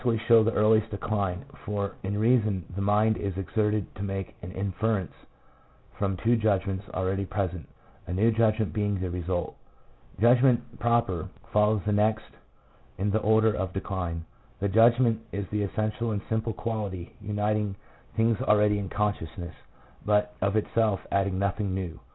102 PSYCHOLOGY OF ALCOHOLISM. show the earliest decline, for in reason the mind is exerted to make an inference from two judgments already present, a new judgment being the result. Judgment, proper, follows next in the order of decline. The judgment is the essential and simple quality, uniting things already in consciousness, but of itself adding nothing new.